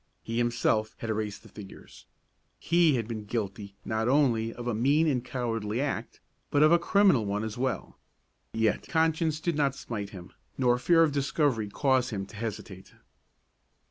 He himself had erased the figures. He had been guilty not only of a mean and cowardly act, but of a criminal one as well. Yet conscience did not smite him, nor fear of discovery cause him to hesitate.